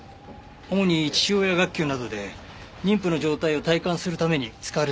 主に父親学級などで妊婦の状態を体感するために使われているものです。